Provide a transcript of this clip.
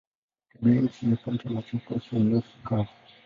Tabianchi ya Kaunti ya Machakos ni nusu kavu.